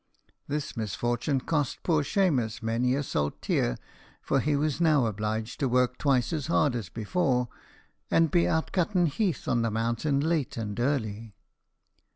This misfortune cost poor Shemus many a salt tear, for he was now obliged to work twice as hard as before, and be out cutten heath on the mountain late and early.